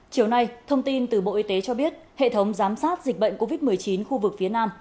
chiều nay thông tin từ bộ y tế cho biết hệ thống giám sát dịch bệnh covid một mươi chín khu vực phía nam